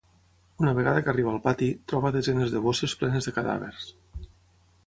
Una vegada que arriba al pati, troba desenes de bosses plenes de cadàvers.